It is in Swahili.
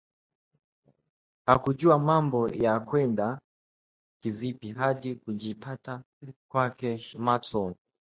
Hakujua mambo yalikwenda vipi hadi kujipata kwake mtaroni